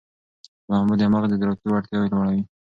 لامبو د مغز ادراکي وړتیاوې لوړوي.